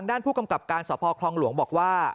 ด้านผู้กำกับการสพคลองหลวงบอกว่า